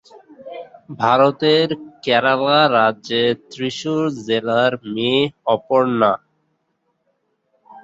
ভারতের কেরালা রাজ্যের ত্রিশূর জেলার মেয়ে অপর্ণা।